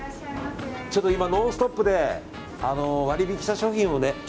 ちょっと今「ノンストップ！」で割引した商品をね。